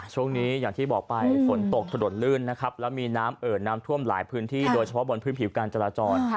ช่วงนี้อย่างที่บอกไปฝนตกถนนลื่นนะครับแล้วมีน้ำเอิดน้ำท่วมหลายพื้นที่โดยเฉพาะบนพื้นผิวการจราจร